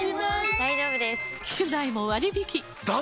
大丈夫です！